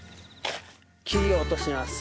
切り落とします